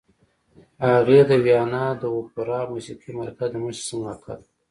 هغې د ویانا د اوپرا موسیقۍ مرکز له مشر سره ملاقات وکړ